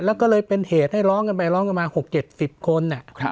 แล้วเป็นเหตุล้องกันมา๖๗๑๐คน